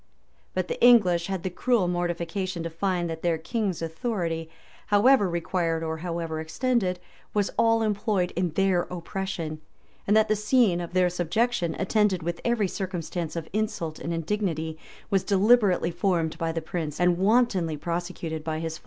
But the English had the cruel mortification to find that their king's authority, however acquired or however extended, was all employed in their oppression; and that the scheme of their subjection, attended with every circumstance of insult and indignity,[] was deliberately formed by the prince, and wantonly prosecuted by his followers.